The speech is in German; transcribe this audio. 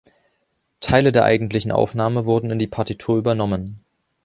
Teile der eigentlichen Aufnahme wurden in die Partitur übernommen.